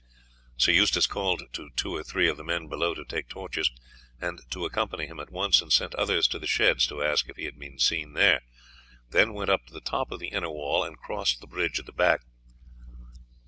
He called to two or three of the men below to take torches, and to accompany him at once, and sent others to the sheds to ask if he had been seen there, then went up to the top of the inner wall and crossed the bridge at the back.